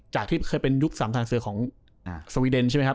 ที่เคยเป็นยุค๓ฐานเสือของสวีเดนใช่ไหมครับ